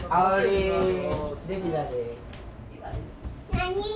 何？